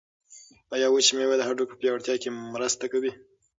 آیا وچې مېوې د هډوکو په پیاوړتیا کې مرسته کوي؟